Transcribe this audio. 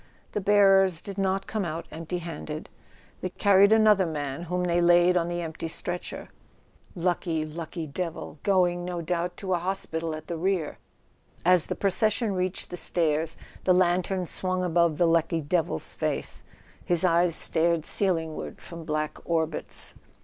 The bearers did not come out empty handed; they carried another man whom they laid on the empty stretcher. Lucky, lucky devil; going, no doubt, to a hospital at the rear! As the pro¬ cession reached the stairs the lantern swung above the lucky devil's face: his eyes stared ceilingward from black orbits.